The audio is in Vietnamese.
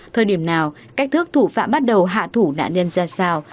thời điểm nào cách thức thủ phạm bắt đầu hạ thủ nạn nhân ra sao